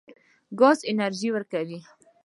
ګاز انرژي ورکوي.